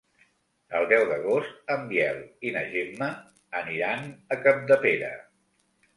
El deu d'agost en Biel i na Gemma aniran a Capdepera.